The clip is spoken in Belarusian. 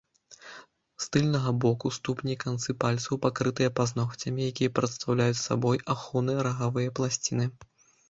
З тыльнага боку ступні канцы пальцаў пакрытыя пазногцямі, якія прадстаўляюць сабой ахоўныя рагавыя пласціны.